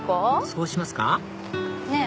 そうしますかねっ！